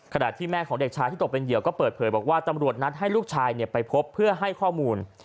ขณะที่แม่ของเด็กชายที่ตกเป็นเหยื่อก็เปิดเผยบอกว่าตำรวจนัดให้ลูกชายไปพบเพื่อให้ข้อมูล